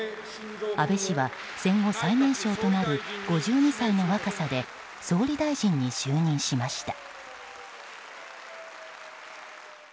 安倍氏は戦後最年少となる５２歳の若さで総理大臣に就任しました。